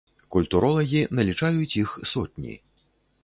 Культуролагі налічаюць іх сотні.